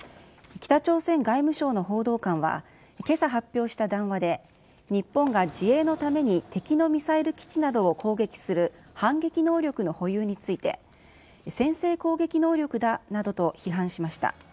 北朝鮮外務省の報道官は、けさ発表した談話で、日本が自衛のために敵のミサイル基地などを攻撃する反撃能力の保有について、先制攻撃能力だなどと批判しました。